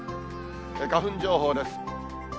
花粉情報です。